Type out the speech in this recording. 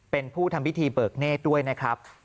เป็นผู้ทำพิธีเบิกเนธด้วยนะครับ